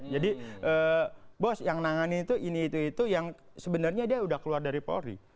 jadi bos yang nanganin itu ini itu itu yang sebenarnya dia udah keluar dari polri